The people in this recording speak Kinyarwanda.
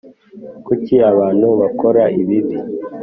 Kuki abantu bakora ibibi